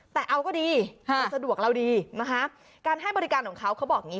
แต่เอาก็ดีมันสะดวกเราดีนะคะการให้บริการของเขาเขาบอกอย่างนี้